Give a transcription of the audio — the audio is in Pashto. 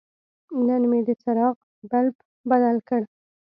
نن مې د څراغ بلب بدل کړ.